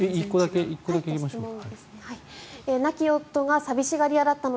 １個だけ行きましょうか。